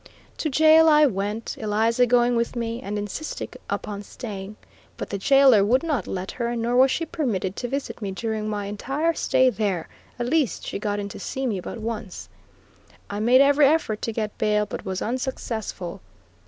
To jail I went, Eliza going with me, and insisting upon staying; but the jailer would not let her, nor was she permitted to visit me during my entire stay there, at least she got in to see me but once. I made every effort to get bail, but was unsuccessful.